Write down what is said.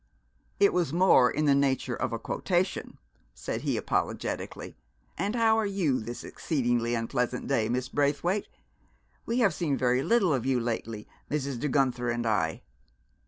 "It was more in the nature of a quotation," said he apologetically. "And how are you this exceedingly unpleasant day, Miss Braithwaite? We have seen very little of you lately, Mrs. De Guenther and I."